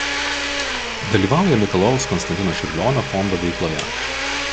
Dalyvauja Mikalojaus Konstantino Čiurlionio fondo veikloje.